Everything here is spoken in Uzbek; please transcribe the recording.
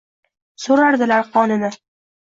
So’rardilar qonini.